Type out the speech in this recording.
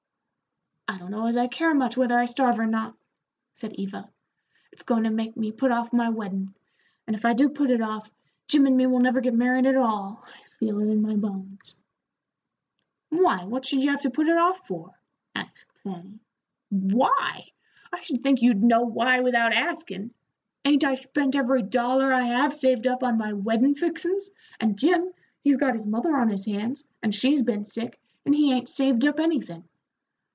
"I don't know as I care much whether I starve or not," said Eva. "It's goin' to make me put off my weddin'; and if I do put it off, Jim and me will never get married at all; I feel it in my bones." "Why, what should you have to put it off for?" asked Fanny. "Why? I should think you'd know why without askin'. Ain't I spent every dollar I have saved up on my weddin' fixin's, and Jim, he's got his mother on his hands, and she's been sick, and he ain't saved up anything.